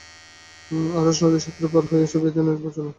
আরাস নদী সাঁতরে পার হয়ে আমি সোভিয়েত ইউনিয়ন পৌঁছালাম।